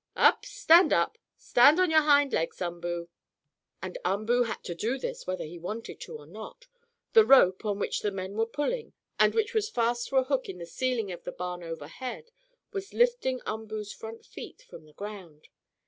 Up! Stand up! Stand on your hind legs, Umboo!" And Umboo had to do this whether he wanted to or not. The rope, on which the men were pulling, and which was fast to a hook in the ceiling of the barn over head, was lifting Umboo's front feet from the ground.